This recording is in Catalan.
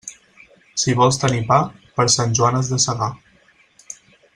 Si vols tenir pa, per Sant Joan has de segar.